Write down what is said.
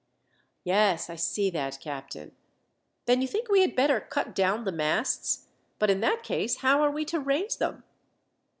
"Yes, I see that, captain. Then you think we had better cut down the masts; but in that case how are we to raise them?"